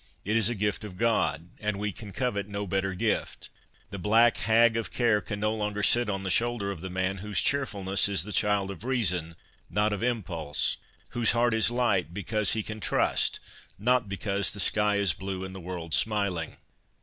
It is a gift of God, and we can covet no better gift. The black hag of care can no longer sit on the shoulder of the man whose cheerfulness is the child of reason, not of impulse ; whose heart is light because he can trust, not because the sky is blue and the world smiling."